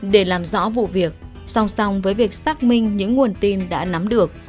để làm rõ vụ việc song song với việc xác minh những nguồn tin đã nắm được